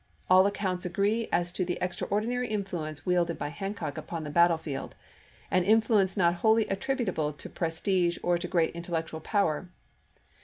All accounts agree as to the extraordinary influence wielded by Hancock upon the battlefield, an influence not wholly attributable to prestige or to great intellectual power.